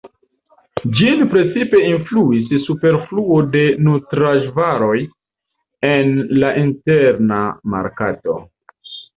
Ĝin precipe influis superfluo de nutraĵvaroj en la interna merkato.